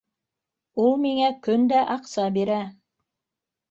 Ул миңә көн дә аҡса бирә.